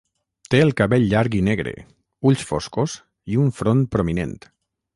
Té el cabell llarg i negre, ulls foscos, i un front prominent.